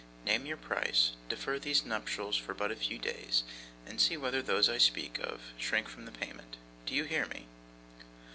Name your price, defer these nuptials for but a few days, and see whether those I speak of, shrink from the payment. Do you hear me?